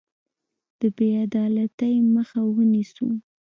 د بې عدالتۍ مخه ونیسو.